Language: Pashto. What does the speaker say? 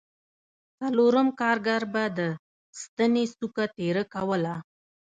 څلورم کارګر به د ستنې څوکه تېره کوله